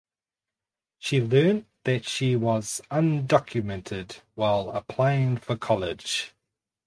She learned that she was undocumented while applying for college.